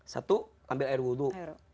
satu ambil air wudhu